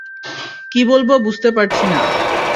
কী বলব বুঝতে পারছি না।